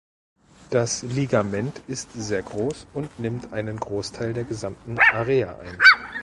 Das Ligament ist sehr groß und nimmt einen Großteil der gesamten Area ein.